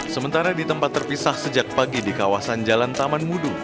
sementara di tempat terpisah sejak pagi di kawasan jalan taman mudu